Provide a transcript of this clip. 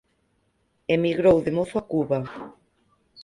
Emigrou de mozo a Cuba.